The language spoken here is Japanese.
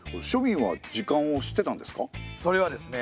それはですね。